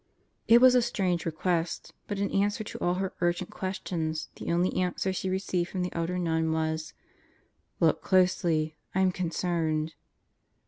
It was a strange request, but in answer to all her urgent questions the only answer she received from the elder nun was: <c Look closely I'm concerned."